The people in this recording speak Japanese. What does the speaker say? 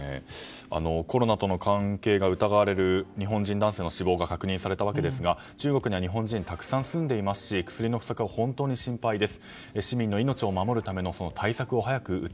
コロナとの関係が疑われる日本人男性の死亡が確認されたわけですが中国には日本人がたくさん住んでいますし薬の不足は本当に心配です。